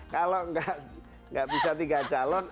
kalau nggak bisa tiga calon